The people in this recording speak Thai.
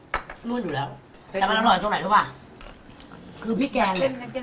มันมิ่งอยู่แล้วแต่มันอร่อยตรงไหน๒๖๐